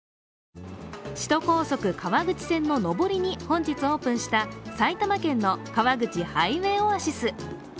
首都高速川口線の上りに本日オープンした埼玉県の川口ハイウェイオアシス。